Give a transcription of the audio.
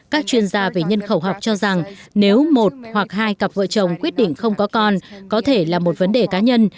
các chuyên gia về nhân khẩu học cho rằng nếu một hoặc hai cặp vợ chồng quyết định không có con có thể là một vấn đề cá nhân